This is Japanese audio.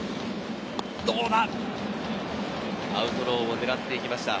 アウトローをねらっていきました。